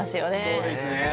そうですね。